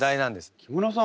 木村さん